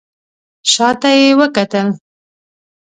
شا ته یې وکتل.